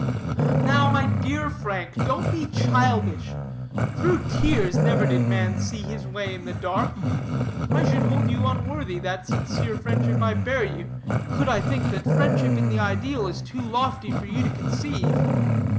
"Now, my dear Frank, don't be childish. Through tears never did man see his way in the dark. I should hold you unworthy that sincere friendship I bear you, could I think that friendship in the ideal is too lofty for you to conceive.